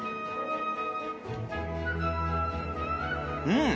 うん。